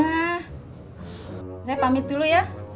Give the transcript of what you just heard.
saya pamit dulu ya